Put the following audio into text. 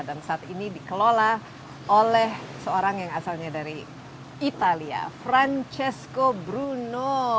dan saat ini dikelola oleh seorang yang asalnya dari italia francesco bruno